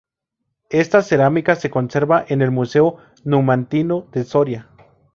Esta cerámica se conserva en el Museo Numantino de Soria.